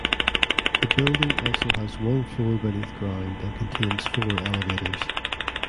The building also has one floor beneath ground and contains four elevators.